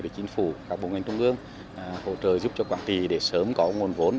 với chính phủ các bộ ngành trung ương hỗ trợ giúp cho quảng trì để sớm có nguồn vốn